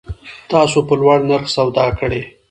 تاسو په لوړ نرخ سودا کړی